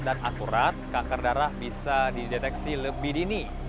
dan akurat kanker darah bisa dideteksi lebih dini